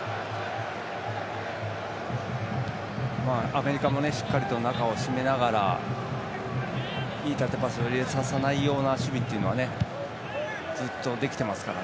アメリカもしっかりと中を締めながらいい縦パスを入れさせない守備がずっとできていますから。